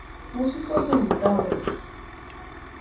Músicos invitados